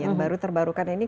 yang baru terbarukan ini